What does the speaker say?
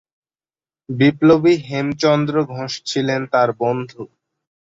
বিপ্লবী হেমচন্দ্র ঘোষ ছিলেন তাঁর বন্ধু।